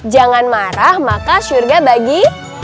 jangan marah maka surga bagi